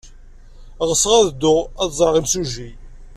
Ɣseɣ ad dduɣ ad ẓreɣ imsujji.